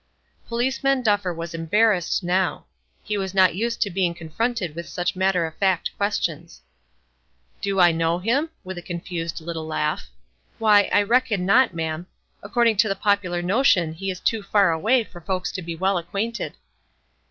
Policeman Duffer was embarrassed now; he was not used to being confronted with such matter of fact questions. "Do I know him?" with a confused little laugh. "Why, I reckon not, ma'am; according to the popular notion he is too far away for folks to be well acquainted."